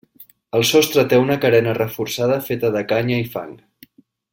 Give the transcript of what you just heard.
El sostre té una carena reforçada feta de canya i fang.